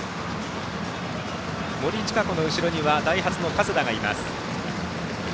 森智香子の後ろにはダイハツの加世田がいます。